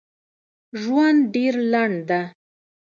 ژوند ډېر لنډ ده